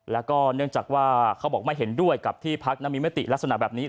แล้วก็เนื่องจากว่าเขาบอกไม่เห็นด้วยกับที่พักนั้นมีมติลักษณะแบบนี้